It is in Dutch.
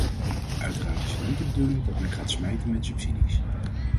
Uiteraard is het niet de bedoeling dat men gaat smijten met subsidies.